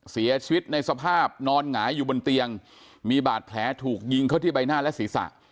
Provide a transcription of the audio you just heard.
เสียชีวิตในสภาพนอนหงายอยู่บนเตียงมีบาดแผลถูกยิงเข้าที่ใบหน้าและศีรษะ